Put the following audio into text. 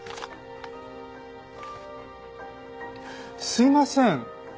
すいません。